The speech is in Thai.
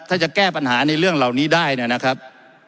ถ้าจะแก้ปัญหาในเรื่องเหล่านี้ได้นะครับ